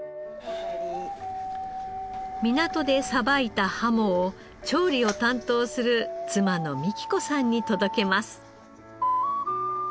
港でさばいたハモを調理を担当する妻の三起子さんに届けます。